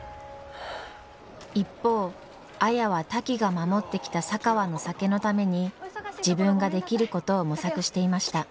一方綾はタキが守ってきた佐川の酒のために自分ができることを模索していました。